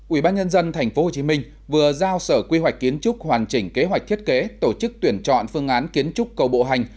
ubnd tp hcm vừa giao sở quy hoạch kiến trúc hoàn chỉnh kế hoạch thiết kế tổ chức tuyển chọn phương án kiến trúc cầu bộ hành